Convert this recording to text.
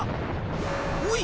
おい！